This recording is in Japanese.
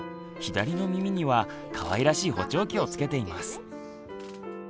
左の耳にはかわいらしい補聴器をつけています。